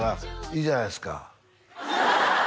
「いいじゃないですか」